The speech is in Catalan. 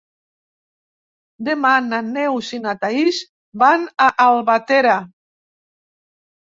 Demà na Neus i na Thaís van a Albatera.